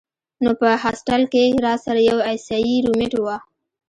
نو پۀ هاسټل کښې راسره يو عيسائي رومېټ وۀ